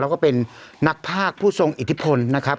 แล้วก็เป็นนักภาคผู้ทรงอิทธิพลนะครับ